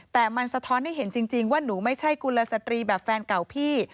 แต่มันสะท้อนให้เห็นจริงว่าหนูไม่ใช่กุลสตรีแบบแฟนเก่าพี่